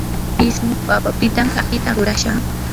ismu papapitam apita rurashaa.